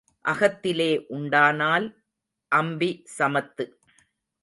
அகத்திலே உண்டானால் அம்பி சமத்து.